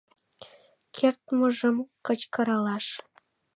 Кертмыжым кычкыралаш: